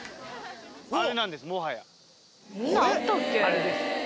あれです。